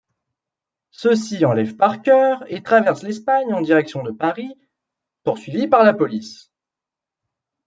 Ceux-ci enlèvent Parker et traversent l'Espagne en direction de Paris, poursuivis par la police.